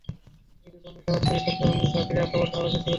ইহুদি ধর্মের সরাসরি ছত্রচ্ছায়ায় তাঁর ফিরে আসা অবশ্য আরও কিছুটা পরে।